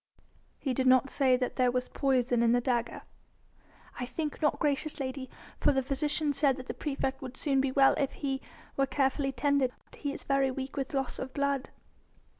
"He did not say that there was poison in the dagger?" "I think not, gracious lady; for the physician said that the praefect would soon be well if he were carefully tended. He is very weak with loss of blood."